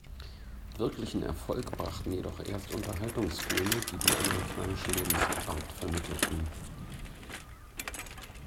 Wirklichen Erfolg brachten jedoch erst Unterhaltungsfilme, die die amerikanische Lebensart vermittelten.